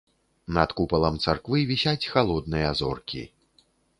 Над купалам царквы вісяць халодныя зоркі.